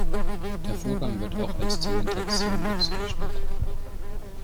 Der Vorgang wird auch als Zementation bezeichnet.